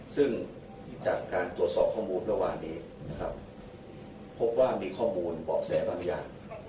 ซึ่งจากการตรวจสอบข้อมูลระหว่างนี้พบว่ามีข้อมูลเบาะแสบรรยา